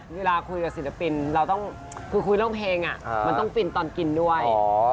เวลาคุยกับศิลปินคุยเรื่องเพลงมันต้องฟินตอนกินด้วย